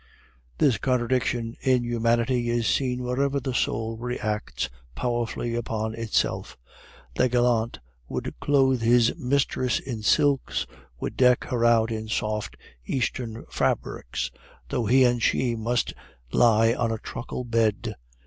This contradiction in humanity is seen wherever the soul reacts powerfully upon itself. The gallant would clothe his mistress in silks, would deck her out in soft Eastern fabrics, though he and she must lie on a truckle bed.